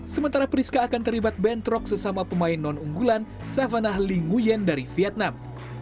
sementara priska akan terlibat bentrok sesama pemain non unggulan savana ling nguyen dari vietnam